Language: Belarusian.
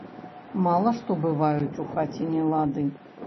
Мала што бываюць у хаце нелады.